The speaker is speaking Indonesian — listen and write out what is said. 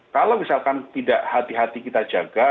kalau misalkan tidak hati hati kita jaga